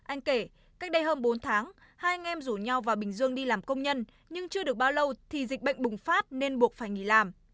anh kể cách đây hơn bốn tháng hai anh em rủ nhau vào bình dương đi làm công nhân nhưng chưa được bao lâu thì dịch bệnh bùng phát nên buộc phải nghỉ làm